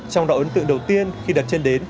trong đó ấn tượng đầu tiên khi đặt chân đến